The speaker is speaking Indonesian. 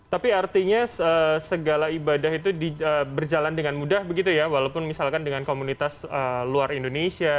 tapi artinya segala ibadah itu berjalan dengan mudah begitu ya walaupun misalkan dengan komunitas luar indonesia